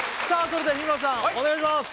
それでは日村さんお願いします